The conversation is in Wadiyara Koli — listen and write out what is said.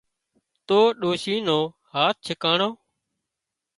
تو ڏوشِي نو هاٿ ڇڪاڻو